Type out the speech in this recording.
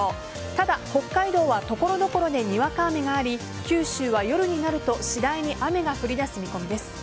ただ、北海道は所々でにわか雨があり九州は夜になると次第に雨が降り出す見込みです。